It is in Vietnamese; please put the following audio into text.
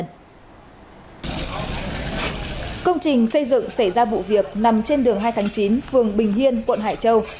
công trình xây dựng xảy ra vụ việc nằm trên đường hai tháng chín phường bình hiên quận hải châu